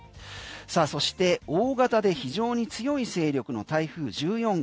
さあ、そして大型で非常に強い勢力の台風１４号